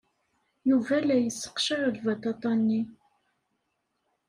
Yuba la yesseqcar lbaṭaṭa-nni.